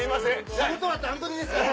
仕事は段取りですから。